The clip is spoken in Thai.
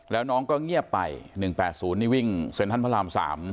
แล้วน้องก็เงียบไป๑๘๐นี่วิ่งเซ็นทรัลพระราม๓